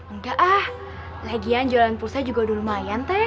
enggak ah lagian jualan pulsa juga udah lumayan teh